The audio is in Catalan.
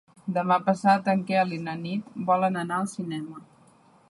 Demà passat en Quel i na Nit volen anar al cinema.